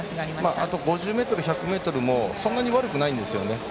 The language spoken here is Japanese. あと５０ｍ、１００ｍもそんなに悪くないんですね。